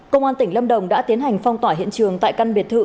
công an tỉnh lâm đồng đã tiến hành phong tỏa hiện trường tại căn biệt thự